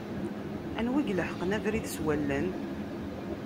Anwa i ileḥqen abrid s wallen?